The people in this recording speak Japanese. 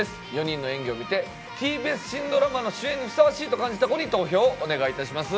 ４人の演技を見てＴＢＳ新ドラマの主演にふさわしいと感じた子に投票をお願いいたします